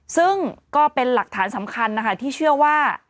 ซึ่งก็เป็นหลักฐานสำคัญนะคะที่เชื่อว่า